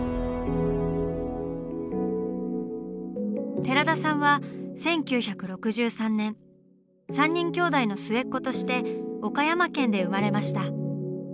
寺田さんは１９６３年３人きょうだいの末っ子として岡山県で生まれました。